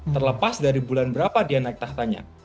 terlepas dari bulan berapa dia naik tahtanya